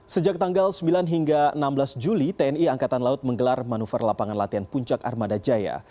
sejak tanggal sembilan hingga enam belas juli tni angkatan laut menggelar manuver lapangan latihan puncak armada jaya